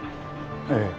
ええ。